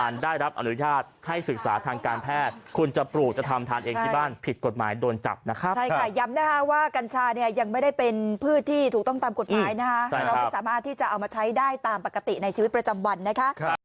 อนุญาตให้ศึกษาทางการแพทย์คุณจะปลูกจะทำทานเองที่บ้านผิดกฎหมายโดนจับนะครับใช่ค่ะย้ำนะฮะว่ากัญชาเนี่ยยังไม่ได้เป็นพืชที่ถูกต้องตามกฎหมายนะฮะเราไม่สามารถที่จะเอามาใช้ได้ตามปกติในชีวิตประจำวันนะฮะ